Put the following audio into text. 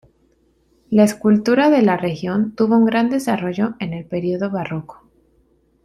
La escultura de la región tuvo un gran desarrollo en el periodo barroco.